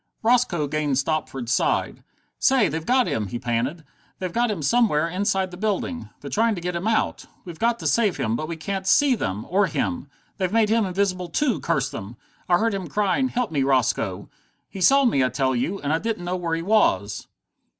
Roscoe gained Stopford's side. "Say they've got him!" he panted. "They've got him somewhere inside the building. They're trying to get him out! We've got to save him but we can't see them or him. They've made him invisible too, curse them! I heard him crying, 'Help me, Roscoe!' He saw me, I tell you and I didn't know where he was!"